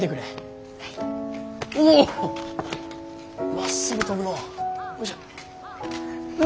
まっすぐ飛ぶのう。